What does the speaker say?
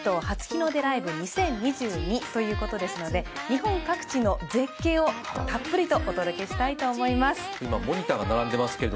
初日の出ＬＩＶＥ２０２２」ということですので日本各地の絶景をたっぷりとお届けしたいと思います。